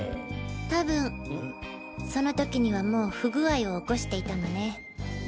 多分その時にはもう不具合を起こしていたのね。